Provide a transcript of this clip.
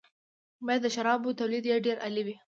باید د شرابو تولید یې ډېر عالي وي.